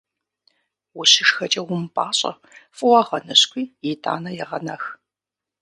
УщышхэкӀэ умыпӀащӀэ, фӀыуэ гъэныщкӀуи, итӀанэ егъэнэх.